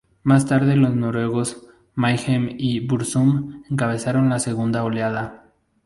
Más tarde los noruegos Mayhem y Burzum encabezaron la segunda oleada.